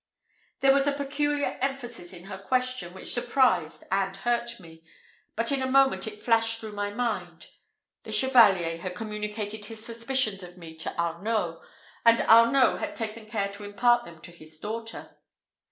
There was a peculiar emphasis in her question, which surprised and hurt me; but in a moment it flashed through my mind the Chevalier had communicated his suspicions of me to Arnault, and Arnault had taken care to impart them to his daughter.